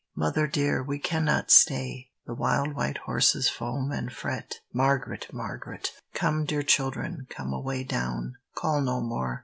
"Mother dear, we cannot stay! The wild white horses foam and fret." Margaret! Margaret! Come, dear children, come away down; Call no more!